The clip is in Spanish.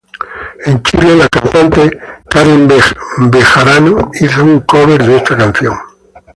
En Chile, la cantante Karen Bejarano hizo un cover de esta canción.